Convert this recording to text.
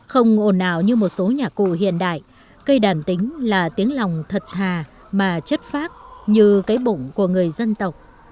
không ồn ào như một số nhà cụ hiện đại cây đàn tính là tiếng lòng thật hà mà chất phác như cái bụng của người dân tộc